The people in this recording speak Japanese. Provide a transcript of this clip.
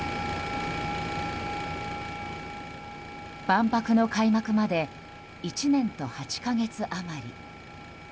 万博の開幕まで１年と８か月余り。